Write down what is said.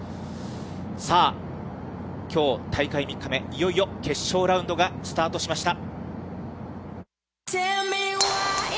さあ、きょう、大会３日目、いよいよ決勝ラウンドがスタートしました。